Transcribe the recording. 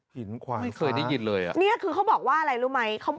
หินขวานฟ้าไม่เคยได้ยินเลยอะนี่คือเขาบอกว่าอะไรรู้ไหม